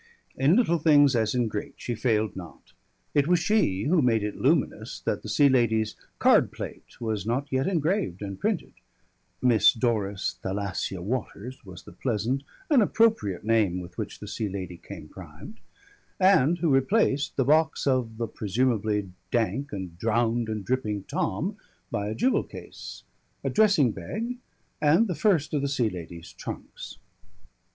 In little things as in great she failed not. It was she who made it luminous that the Sea Lady's card plate was not yet engraved and printed ("Miss Doris Thalassia Waters" was the pleasant and appropriate name with which the Sea Lady came primed), and who replaced the box of the presumably dank and drowned and dripping "Tom" by a jewel case, a dressing bag and the first of the Sea Lady's trunks.